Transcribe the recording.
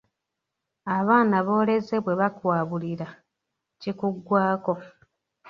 Abaana b’oleze bwe bakwabulira kikuggwaako.